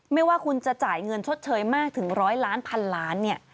ไม่ว่าคุณจะจ่ายเงินชดเชยมากถึง๑๐๐ล้านพันล้านเนี่ย